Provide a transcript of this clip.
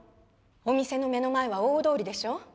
お店の目の前は大通りでしょ。